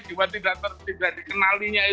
jiwa tidak terkenalinya